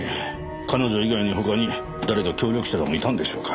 彼女以外に他に誰か協力者でもいたんでしょうか？